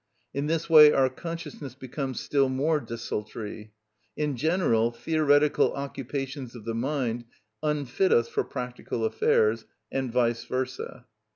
In this way our consciousness becomes still more desultory. In general, theoretical occupations of the mind unfit us for practical affairs, and vice versâ.